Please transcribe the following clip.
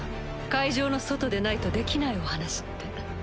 会場の外でないとできないお話って。